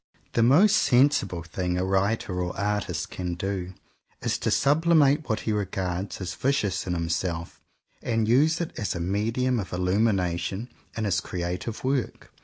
The most sensible thing a writer or artist can do, is to "sublimate" what he regards as vicious in himself, and use it as a medium of illumination in his creative work.